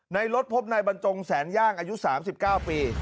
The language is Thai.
ในรถพบนายบรรจงแสนย่างอายุ๓๙ปี